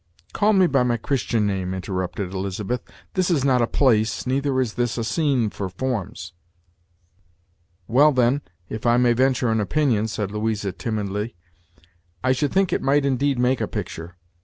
"Call me by my Christian name," interrupted Elizabeth; "this is not a place, neither is this a scene, for forms." "Well, then, if I may venture an opinion," said Louisa timidly, "I should think it might indeed make a picture.